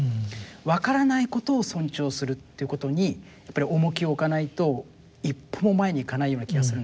わからないことを尊重するっていうことにやっぱり重きを置かないと一歩も前にいかないような気がするんですね。